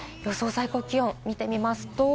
最高気温見てみます。